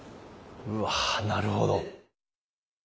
うわなるほど。